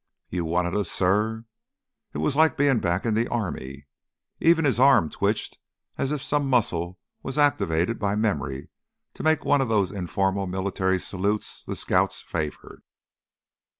"You wanted us, suh?" It was like being back in the army. Even his arm twitched as if some muscle was activated by memory to make one of those informal military salutes the scouts favored.